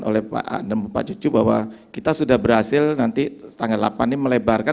oleh pak cucu bahwa kita sudah berhasil nanti tanggal delapan ini melebarkan